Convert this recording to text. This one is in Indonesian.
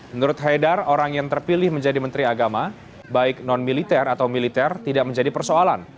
menurut haidar orang yang terpilih menjadi menteri agama baik non militer atau militer tidak menjadi persoalan